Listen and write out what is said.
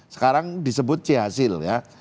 sekarang disebut c hasil ya